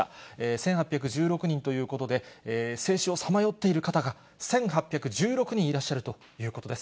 １８１６人ということで、生死をさまよっている方が１８１６人いらっしゃるということです。